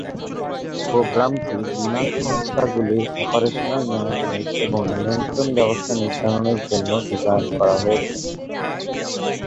প্রোগ্রামটি বিমান সংস্থাগুলির অপারেশনাল ম্যানেজমেন্ট এবং নিয়ন্ত্রণ ব্যবস্থা নির্ধারণের জন্য ডিজাইন করা হয়েছে।